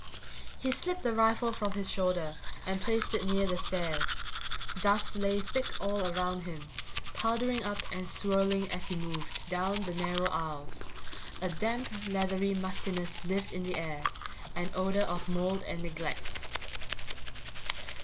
He slipped the rifle from his shoulder and placed it near the stairs. Dust lay thick all around him, powdering up and swirling, as he moved down the narrow aisles; a damp, leathery mustiness lived in the air, an odor of mold and neglect.